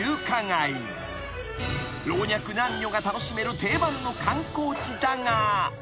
［老若男女が楽しめる定番の観光地だが］